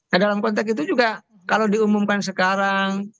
nah dalam konteks itu juga kalau diumumkan sekarang